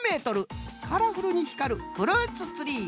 カラフルにひかるフルーツツリー！